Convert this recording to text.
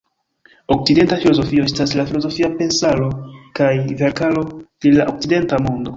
Okcidenta filozofio estas la filozofia pensaro kaj verkaro de la okcidenta mondo.